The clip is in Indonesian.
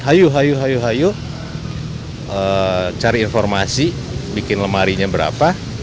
hayu hayu hayu hayu cari informasi bikin lemarinya berapa